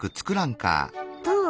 どう？